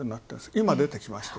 今、出てきましたよね。